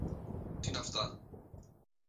Τί είναι αυτά!